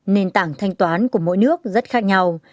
nền tảng thanh toán của mỗi nước rất khác nhau